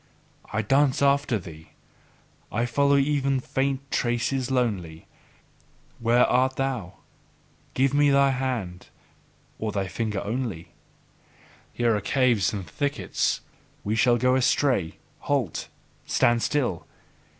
I dance after thee, I follow even faint traces lonely. Where art thou? Give me thy hand! Or thy finger only! Here are caves and thickets: we shall go astray! Halt! Stand still!